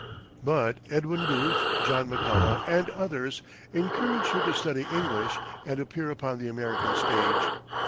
But Edwin Booth, John McCullough, and others, encouraged her to study English and appear upon the American stage.